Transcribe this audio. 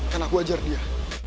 karena aku ajar dia